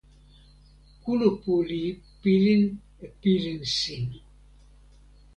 kulupu li pilin e pilin sin.